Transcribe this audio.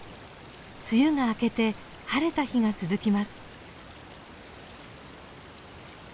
梅雨が明けて晴れた日が続きます。